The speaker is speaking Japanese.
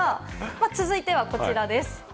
続いてはこちらです。